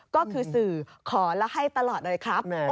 ก็คือสื่อขอแล้วให้ตลอดเลยครับ